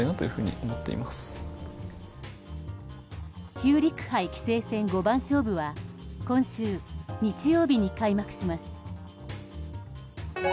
ヒューリック杯棋聖戦五番勝負は今週日曜日に開幕します。